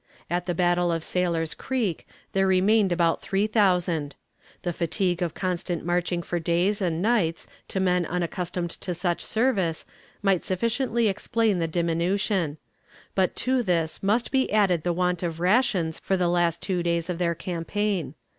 At the battle of Sailor's Creek there remained about three thousand. The fatigue of constant marching for days and nights to men unaccustomed to such service might sufficiently explain the diminution; but to this must be added the want of rations for the last two days of their campaign.